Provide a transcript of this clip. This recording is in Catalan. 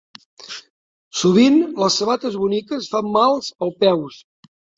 Sovint, les sabates boniques fan mals als peus.